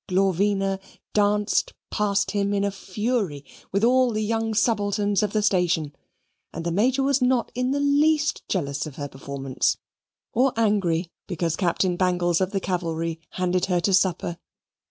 Glorvina danced past him in a fury with all the young subalterns of the station, and the Major was not in the least jealous of her performance, or angry because Captain Bangles of the Cavalry handed her to supper.